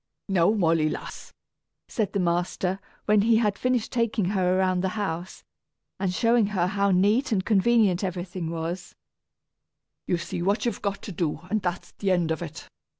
"Now, Molly, lass," said the master, when he had finished taking her around the house, and showing her how neat and convenient everything was; "you see what you've got to do, and that's the end of it.